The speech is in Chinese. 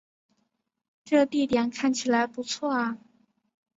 这地点看起来不错啊